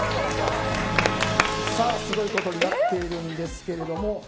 すごいことになっているんですけれども。